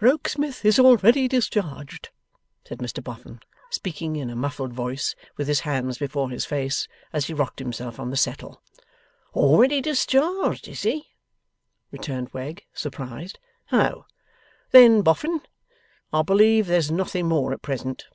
'Rokesmith is already discharged,' said Mr Boffin, speaking in a muffled voice, with his hands before his face, as he rocked himself on the settle. 'Already discharged, is he?' returned Wegg, surprised. 'Oh! Then, Boffin, I believe there's nothing more at present.